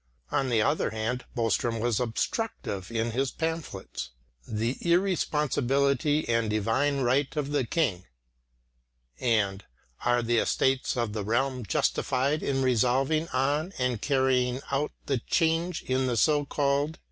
On the other hand Boström was obstructive in his pamphlets The Irresponsibility and Divine Right of the King and _Are the Estates of the Realm Justified in Resolving on and Carrying Out the Change in the So called